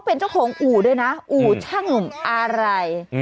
เป็นเจ้าของอวกราชอาร์มออะไร